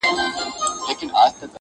يار له جهان سره سیالي کومه ښه کومه ,